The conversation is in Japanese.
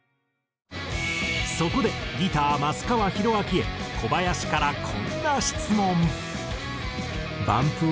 そこでギター増川弘明へ小林からこんな質問。